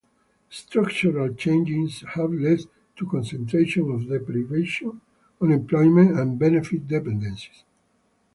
Structural changes have led to concentrations of deprivation, unemployment and benefit dependence.